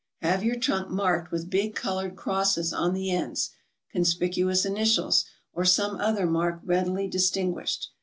Have your trunk marked with big colored crosses on the ends, conspicuous initials, or some other mark readily distinguished.